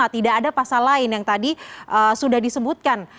tidak ada pasal lain yang tadi sudah disebutkan